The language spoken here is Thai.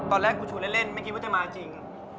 ตอนแรกกูชูเล่นไม่คิดว่าจะมาจริง